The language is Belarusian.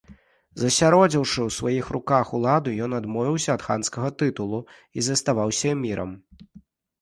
Засяродзіўшы ў сваіх руках уладу, ён адмовіўся ад ханскага тытулу і заставаўся эмірам.